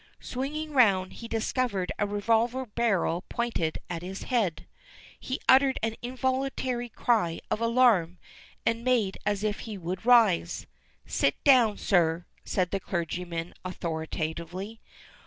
Swinging round he discovered a revolver barrel pointed at his head. He uttered an involuntary cry of alarm, and made as if he would rise. "Sit down, sir," said the clergyman authoritatively.